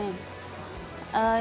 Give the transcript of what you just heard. ya udah muteran